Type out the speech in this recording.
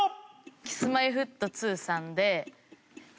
Ｋｉｓ−Ｍｙ−Ｆｔ２さんで。